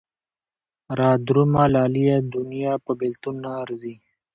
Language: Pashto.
را درومه لالیه دونيا په بېلتون نه ارځي